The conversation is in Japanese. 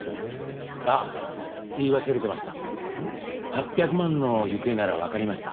８００万の行方ならわかりました。